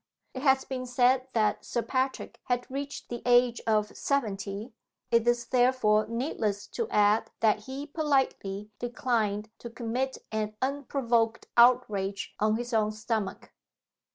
It has been said that Sir Patrick had reached the age of seventy it is, therefore, needless to add that he politely declined to commit an unprovoked outrage on his own stomach.